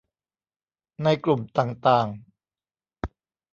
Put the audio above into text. ในกลุ่มต่างต่าง